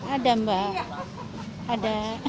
ada mbak ada